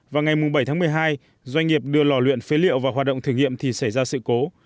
và ngày mùng bảy tháng một mươi hai doanh nghiệp đưa lò luyện phé liệu vào hoạt động thử nghiệm thì xảy ra sự cố